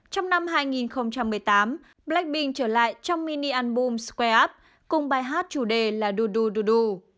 trong năm hai nghìn một mươi tám blackpink trở lại trong mini album square up cùng bài hát chủ đề là doo doo doo doo